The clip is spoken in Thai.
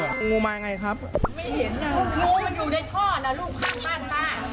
ไม่เห็นนะงูมันอยู่ในท่อนะลูกข้างบ้านป้า